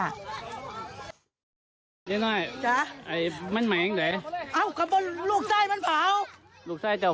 มันเผาจังแด้โคตรไปยิงเห้าหรอกลับใจทนตัว